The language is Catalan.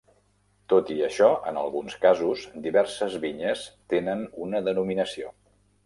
Tot i això, en alguns casos, diverses vinyes tenen una denominació.